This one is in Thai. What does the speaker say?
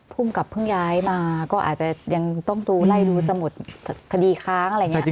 ภูมิกับเพิ่งย้ายมาก็อาจจะยังต้องดูไล่ดูสมุดคดีค้างอะไรอย่างนี้